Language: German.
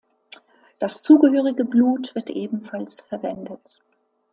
Das zugehörige Blut wird ebenfalls verwendet.